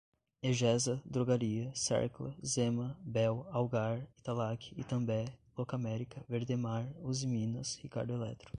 Egesa, Drogaria, Sercla, Zema, Bel, Algar, Italac, Itambé, Locamerica, Verdemar, Usiminas, Ricardo Eletro